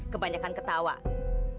kenapa kita bersinar